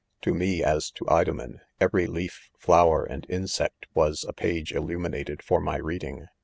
To me, as to Idomen, every leaf, flower. and insect, was a page illuminated for my reading.